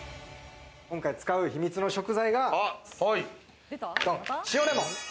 今回使う秘密の食材が塩レモン。